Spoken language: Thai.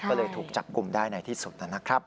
ก็เลยถูกจับกลุ่มได้ในที่สุดนะครับ